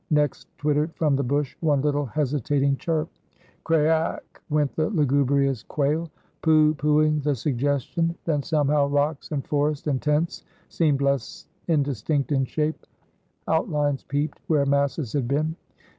Next twittered from the bush one little hesitating chirp. Craake! went the lugubrious quail, pooh poohing the suggestion. Then somehow rocks and forest and tents seemed less indistinct in shape; outlines peeped where masses had been.